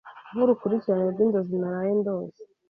nkurukurikirane rwinzozi naraye ndose